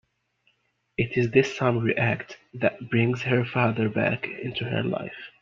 It is this summary act that brings her father back into her life.